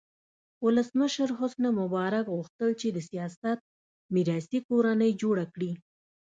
ولسمشر حسن مبارک غوښتل چې د سیاست میراثي کورنۍ جوړه کړي.